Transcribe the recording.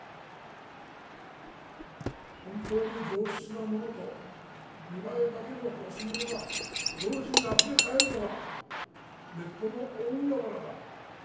本当に上質なものと見栄えだけの安物が同時にあふれ返るのがネットの大海原だ。